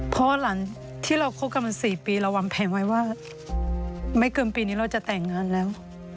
เพราะหลังที่เราคบกันมา๔ปีเราวางแผนไว้ว่าไม่เกินปีนี้เราจะแต่งงานแล้ว